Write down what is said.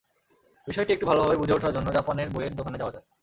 বিষয়টি একটু ভালোভাবে বুঝে ওঠার জন্য জাপানের বইয়ের দোকানে যাওয়া যাক।